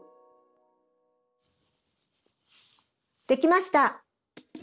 できました。